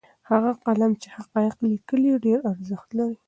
هغه قلم چې حقایق لیکي ډېر ارزښت لري.